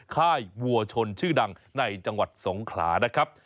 ค่ายวัวชนชื่อดังในจังหวัดสงขลานะครับ